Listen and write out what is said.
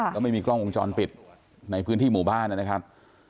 แล้วไม่มีกล้องวงจรปิดในพื้นที่หมู่บ้านนะครับ